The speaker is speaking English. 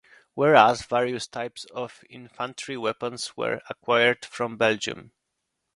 Whereas various types of Infantry weapons were acquired from Belgium.